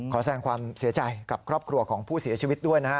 แสดงความเสียใจกับครอบครัวของผู้เสียชีวิตด้วยนะฮะ